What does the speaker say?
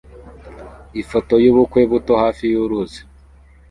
Ifoto yubukwe buto hafi yuruzi